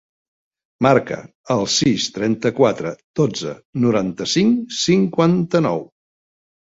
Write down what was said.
Marca el sis, trenta-quatre, dotze, noranta-cinc, cinquanta-nou.